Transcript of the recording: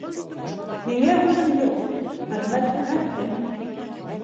Һиңә һүҙем юҡ, хеҙмәт күрһәттең.